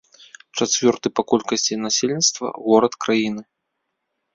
Чацвёрты па колькасці насельніцтва горад краіны.